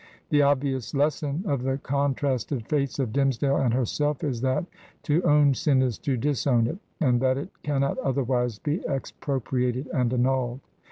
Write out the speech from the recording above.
The ob vious lesson of the contrasted fates of Dimmesdale and herself is that to owti sin is to disown it, and that it cannot otherwise be expropriated and annulled.